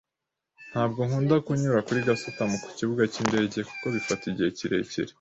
Ntabwo nkunda kunyura kuri gasutamo kukibuga cyindege kuko bifata igihe kirekire.